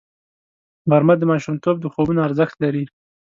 غرمه د ماشومتوب د خوبونو ارزښت لري